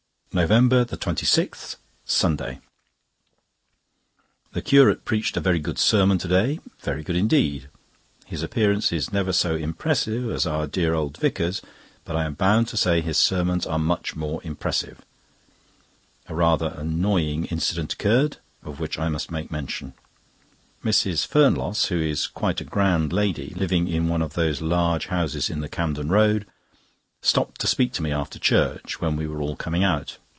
NOVEMBER 26, Sunday.—The curate preached a very good sermon to day—very good indeed. His appearance is never so impressive as our dear old vicar's, but I am bound to say his sermons are much more impressive. A rather annoying incident occurred, of which I must make mention. Mrs. Fernlosse, who is quite a grand lady, living in one of those large houses in the Camden Road, stopped to speak to me after church, when we were all coming out.